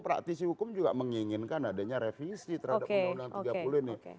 praktisi hukum juga menginginkan adanya revisi terhadap undang undang tiga puluh ini